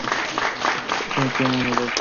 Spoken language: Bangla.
তাকে কেউ মনে রাখবে না, স্যার।